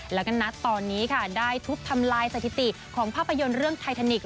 แล้วก็นัดตอนนี้ค่ะได้ทุบทำลายสถิติของภาพยนตร์เรื่องไททานิกส